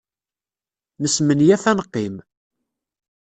Nesmenyaf ad neqqim.